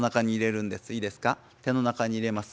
手の中に入れます。